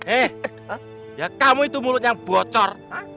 eh ya kamu itu mulut yang bocor